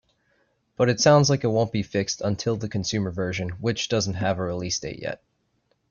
But it sounds like it won't be fixed until the consumer version, which doesn't have a release date yet.